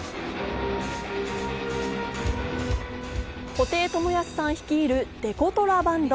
布袋寅泰さん率いるデコトラバンド。